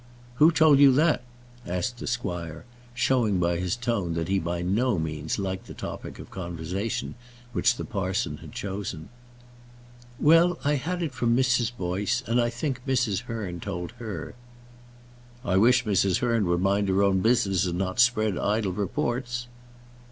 "Who told you that?" asked the squire, showing by his tone that he by no means liked the topic of conversation which the parson had chosen. "Well, I had it from Mrs. Boyce, and I think Mrs. Hearn told her." "I wish Mrs. Hearn would mind her own business, and not spread idle reports."